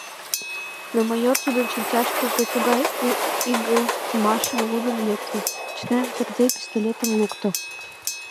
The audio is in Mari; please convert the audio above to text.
Но майор тудын шинчаштыже тугай игылтмашым лудын лекте — чытен кертде пистолетым лукто.